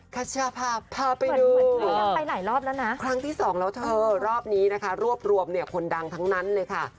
ขาชาพาพาไปดูอ๋อคลั้งที่สองแล้วเธอรอบนี้นะคะรวบเนี่ยคนดังทั้งนั้นเลยค่ะ